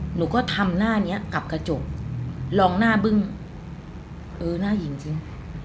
หนูก็ทำหน้านี้กับกระจกลองหน้าบึ้งเออหน้าหญิงจริง